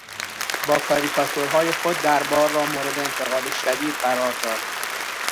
با کاریکاتورهای خود دربار را مورد انتقاد شدید قرار داد.